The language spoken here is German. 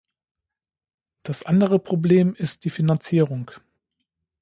Das andere Problem ist die Finanzierung.